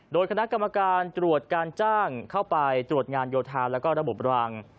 โดยคณะกรรมการตรวจการจ้างเข้าไปตรวจงานโยธาแล้วก็ระบบรัง